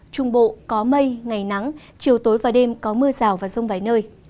trung bộ có mây ngày nắng chiều tối và đêm có mưa rào và rông vài nơi